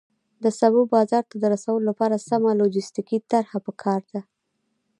د سبو بازار ته رسولو لپاره سمه لوجستیکي طرحه پکار ده.